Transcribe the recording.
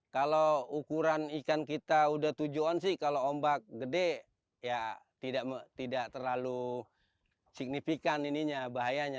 kalau ukuran ikan kita udah tujuan sih kalau ombak gede ya tidak terlalu signifikan ininya bahayanya